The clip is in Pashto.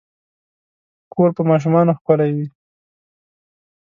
کور په ماشومانو ښکلے وي